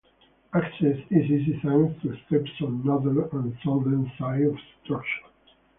Access is easy thanks to steps on northern and southern sides of the structure.